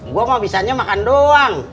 gue gak bisanya makan doang